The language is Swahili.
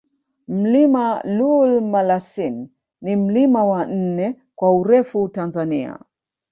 Mlima Lool Malasin ni mlima wa nne kwa urefu Tanzania